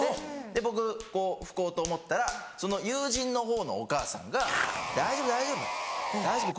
で僕拭こうと思ったらその友人のほうのお母さんが「大丈夫大丈夫大丈夫